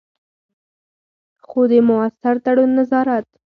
خو د مؤثر تړون، نظارت.